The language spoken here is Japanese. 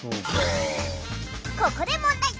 ここで問題！